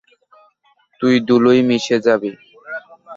তুই ধূলোয় মিশে যাবি।